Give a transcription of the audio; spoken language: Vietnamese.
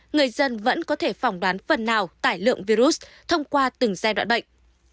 người dân vẫn có thể phỏng đoán phần nào tải lượng virus thông qua từng giai đoạn bệnh